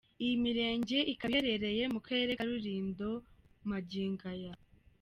Iyi mirenge ikaba iherereye mu Karere ka Rulindo magingo aya.